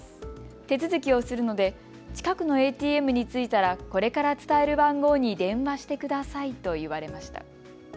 手続きをするので近くのＡＴＭに着いたらこれから伝える番号に電話してくださいと言われました。